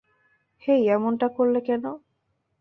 হেই, এমনটা করলে কেন?